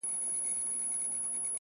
بيا مي د زړه د خنداگانو انگازې خپرې سوې؛